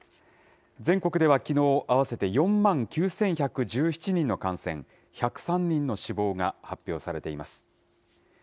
全国ではきのう、合わせて４万９１１７人の感染、１０３人の死亡が発表されています。